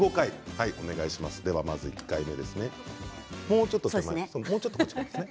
まず１回目ですね。